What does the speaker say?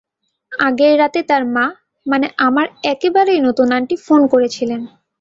আগের রাতে তার মা, মানে আমার একেবারেই নতুন আন্টি ফোন করেছিলেন।